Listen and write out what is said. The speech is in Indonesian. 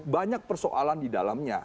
banyak persoalan di dalamnya